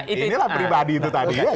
inilah pribadi itu tadi